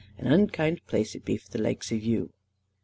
An unkid place it be for the laikes of you."